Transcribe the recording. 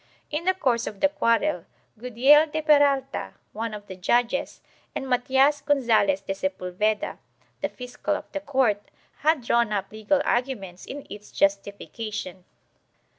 In the course of the quarrel, Gudiel de Peralta, one of the judges, and Matias Gonzalez de Sepulveda, the fiscal of the court, had drawn up legal arguments in its justi fication.